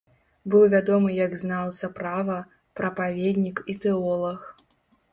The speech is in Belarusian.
Быў вядомы як знаўца права, прапаведнік і тэолаг.